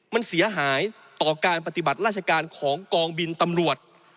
มันเสียหายต่อการปฏิบัติราชการของกองบินตำรวจ